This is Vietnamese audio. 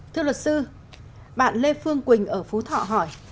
thưa luật sư bạn lê phương quỳnh ở phú thọ hỏi